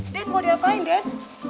den mau diapain des